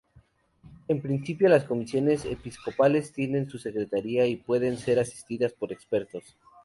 En principio, las Comisiones Episcopales tienen su secretaria y pueden ser asistidas por expertos.